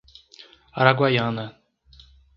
Araguaiana